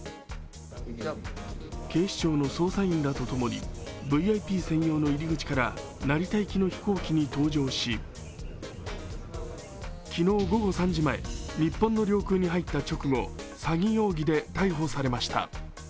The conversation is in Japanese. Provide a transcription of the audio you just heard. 警視庁の捜査員らとともにＶＩＰ専用の入り口から成田行きの飛行機に搭乗し、昨日午後３時前、日本の領空に入った直後詐欺容疑で逮捕されました。